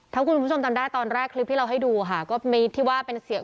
ถ้าคุณผู้ชมจำได้ตอนแรกคลิปที่เราให้ดูค่ะก็มีที่ว่าเป็นเสียง